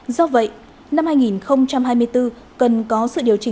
do vậy năm hai nghìn hai mươi bốn cần có sự điều chỉnh